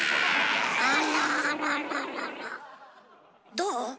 どう？